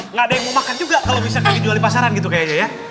nggak ada yang mau makan juga kalau misalnya dijual di pasaran gitu kayaknya ya